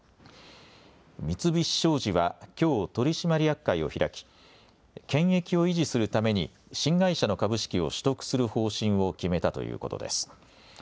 三菱商事はきょう、取締役会を開き、権益を維持するために新会社の株式を取得する方針を決めたということです。